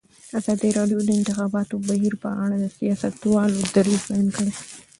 ازادي راډیو د د انتخاباتو بهیر په اړه د سیاستوالو دریځ بیان کړی.